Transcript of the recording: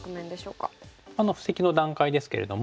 布石の段階ですけれども。